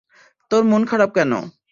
তোর মন খারাপ কেনো?